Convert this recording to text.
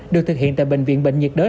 được thực hiện tại bệnh viện bệnh nhiệt đới